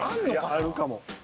あるかも。